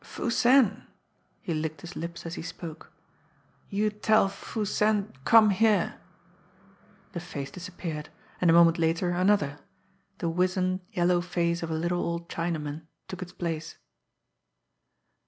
"Foo Sen" he licked his lips as he spoke "you tell Foo Sen come here!" The face disappeared, and a moment later another the wizened, yellow face of a little old Chinaman took its place.